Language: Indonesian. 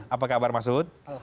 apa kabar mas suhud